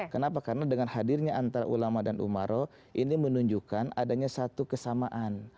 kenapa karena dengan hadirnya antara ulama dan umaro ini menunjukkan adanya satu kesamaan